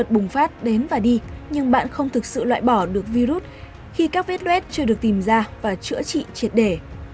bắt đến và đi nhưng bạn không thực sự loại bỏ được virus khi các vết luet chưa được tìm ra và chữa trị triệt để